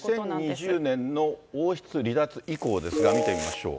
２０２０年の王室離脱以降ですが、見てみましょう。